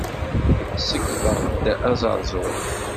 Ṣeyydeɣ-d azeṛzuṛ.